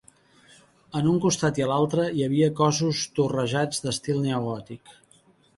En un costat i a l'altre, hi havia cossos torrejats d'estil neogòtic.